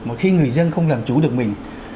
mà khi người dân không làm chủ được mình